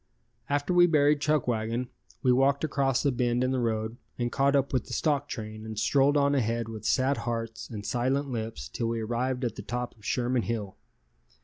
After we buried Chuckwagon we walked across a bend in the road and caught up with the stock train and strolled on ahead with sad hearts and silent lips till we arrived at the top of Sherman Hill.